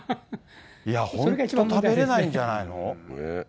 いや、本当、食べれないんじゃないの。